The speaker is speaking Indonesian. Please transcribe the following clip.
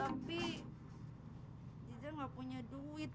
tapi jujur gak punya duit